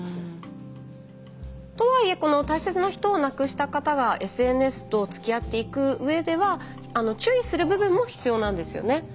とはいえ大切な人を亡くした方がＳＮＳとつきあっていくうえでは注意する部分も必要なんですよね。